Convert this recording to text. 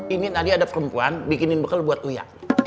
ini tadi ada perempuan bikinin bekal buat kuliah